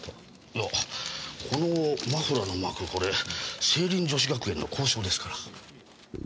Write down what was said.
いやこのマフラーのマークこれ清林女子学園の校章ですから。